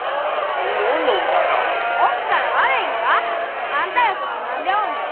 何でおんねんお前ら。おったら悪いんか！？あんたらこそ何でおんねん？